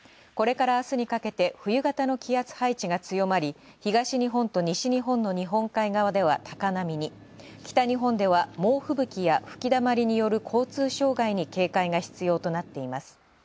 これから明日にかけて冬型の気圧配置が強まり、東日本と西日本の日本海側では高波に、北日本では猛吹雪や吹きだまりによる交通障害に警戒が必要となっています。